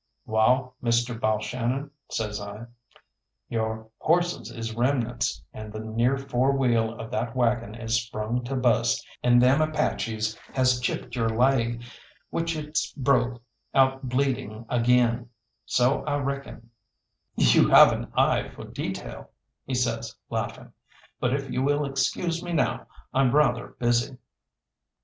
"Wall, Mister Balshannon," says I, "your horses is remnants, and the near fore wheel of that waggon is sprung to bust, and them Apaches has chipped your laig, which it's broke out bleeding again, so I reckon " "You have an eye for detail," he says, laughing; "but if you will excuse me now, I'm rather busy."